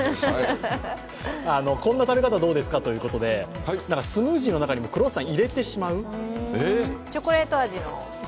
こんな食べ方、どうですかということで、スムージーの中にクロワッサンを入れてしまうチョコレート味。